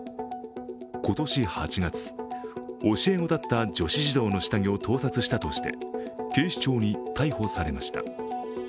今年８月、教え子だった女子児童の下着を盗撮したとして警視庁に逮捕されました。